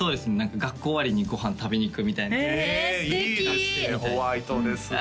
学校終わりにご飯食べに行くみたいなえ素敵えいいですねホワイトですね